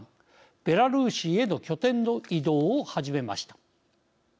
ベラルーシへの拠点の移動を始めました。